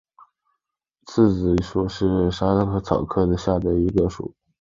刺子莞属是莎草科下的一个属。